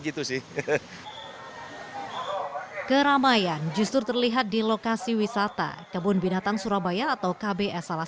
gitu sih keramaian justru terlihat di lokasi wisata kebun binatang surabaya atau kbs salah